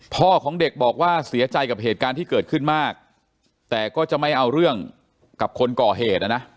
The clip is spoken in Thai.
พ่อของเด็กบอกว่าเสียใจกับเหตุการณ์ที่เกิดขึ้นมากแต่ก็จะไม่เอาเรื่องกับคนก่อเหตุนะนะ